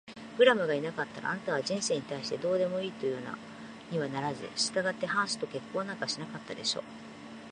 クラムがいなかったら、あなたは人生に対してどうでもいいというようなふうにはならず、したがってハンスと結婚なんかしなかったでしょう。